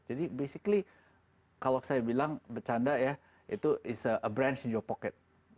jadi basically kalau saya bilang bercanda ya itu is a branch in your pocket